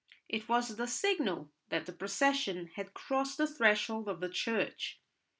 It was the signal that the procession had crossed the threshold of the church.